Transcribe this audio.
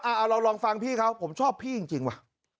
อ่าอ่าเราลองฟังพี่เขาผมชอบพี่จริงจริงว่ะ